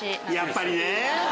やっぱりね。